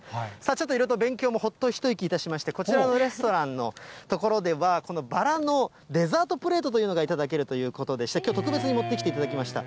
ちょっといろいろと勉強もほっと一息いたしまして、こちらのレストランの所では、このバラのデザートプレートというのが頂けるということで、きょう、特別に持ってきていただきました。